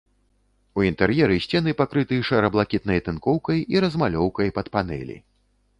У інтэр'еры сцены пакрыты шэра-блакітнай тынкоўкай і размалёўкай пад панэлі.